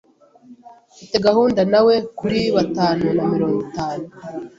Mfite gahunda na we kuri batanu na mirongo itatu.